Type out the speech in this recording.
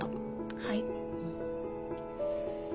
はい。